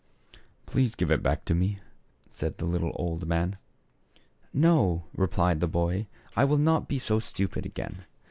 "Please give it back to me," said the little old man. "No," replied the boy, "I will not be so stupid again.